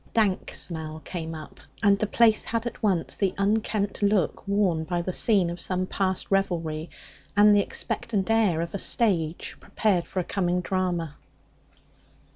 A dank smell came up, and the place had at once the unkempt look worn by the scene of some past revelry and the expectant air of a stage prepared for a coming drama.